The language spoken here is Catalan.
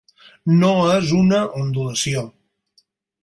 No és una ondulació.